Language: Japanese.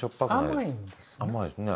甘いですね。